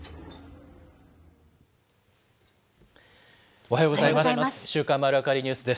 おはようございます。